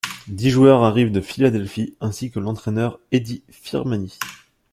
Dix joueurs arrivent de Philadelphie ainsi que l'entraineur Eddie Firmani.